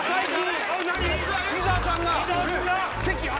伊沢くんが？